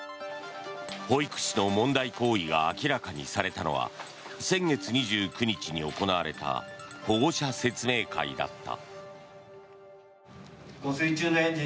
保育士の問題行為が明らかにされたのは先月２９日に行われた保護者説明会だった。